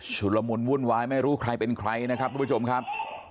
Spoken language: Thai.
ละมุนวุ่นวายไม่รู้ใครเป็นใครนะครับทุกผู้ชมครับ